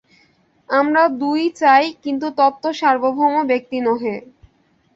আমরা দুই-ই চাই, কিন্তু তত্ত্ব সার্বভৌম, ব্যক্তি নহে।